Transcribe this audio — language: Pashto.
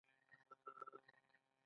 دال نارنجي دي.